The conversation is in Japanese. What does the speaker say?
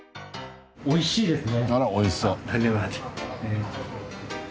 美味しいですね！